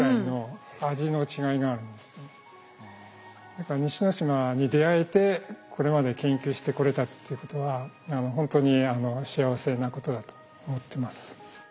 だから西之島に出合えてこれまで研究してこれたっていうことはほんとに幸せなことだと思ってます。